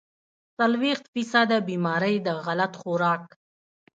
څلوېښت فيصده بيمارۍ د غلط خوراک